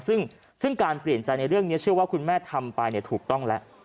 ซึ่งการเปลี่ยนใจในเรื่องนี้เชื่อว่าคุณแม่ทำไปถูกต้องแล้ว